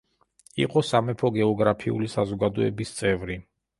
იყო სამეფო გეოგრაფიული საზოგადოების წევრი.